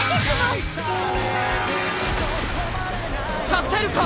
させるか！